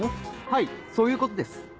はいそういうことです。